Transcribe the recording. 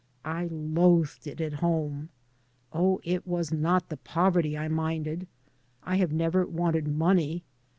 I loathed it at home. Oh, it was not the poverty I minded I I have never wanted money.